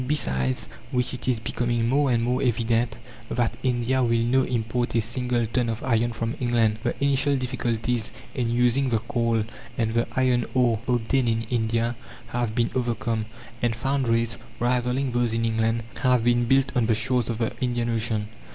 Besides which it is becoming more and more evident that India will no import a single ton of iron from England. The initial difficulties in using the coal and the iron ore obtained in India have been overcome; and foundries, rivalling those in England, have been built on the shores of the Indian Ocean.